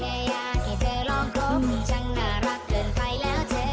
อยากให้เธอร้องคมจังน่ารักเกินไปแล้วเธอ